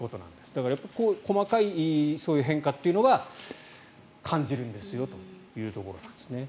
だから細かいそういう変化というのを感じるんですよというところなんですね。